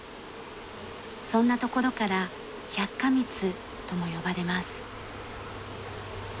そんなところから百花蜜とも呼ばれます。